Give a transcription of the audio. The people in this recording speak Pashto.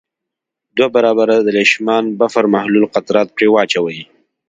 دوه برابره د لیشمان بفر محلول قطرات پرې واچوئ.